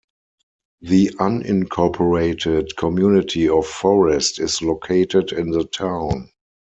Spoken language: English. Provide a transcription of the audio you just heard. The unincorporated community of Forest is located in the town.